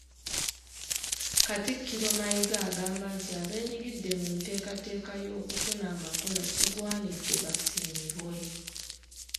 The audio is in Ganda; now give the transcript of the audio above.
Katikkiro Mayiga agamba nti abeenyigidde mu nteekateeka y'okutona amakula kigwanidde basiimibwe.